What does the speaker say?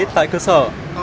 tại cơ sở